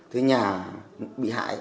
thế nhà bị hại